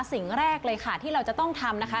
สิ่งแรกเลยค่ะที่เราจะต้องทำนะคะ